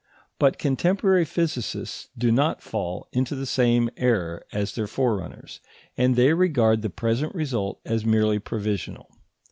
But contemporary physicists do not fall into the same error as their forerunners, and they regard the present result as merely provisional.